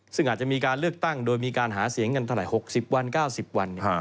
ซึ่งอาจจะมีการเลือกตั้งโดยมีการหาเสียงกันเท่าไหร่๖๐วัน๙๐วัน